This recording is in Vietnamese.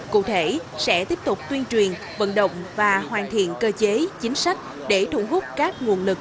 cụ thể sẽ tiếp tục tuyên truyền vận động và hoàn thiện cơ chế chính sách để thu hút các nguồn lực